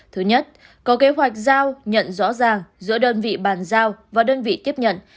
thứ nhất có kế hoạch giao nhận rõ ràng giữa đơn vị bàn giao và đơn vị tiếp nhận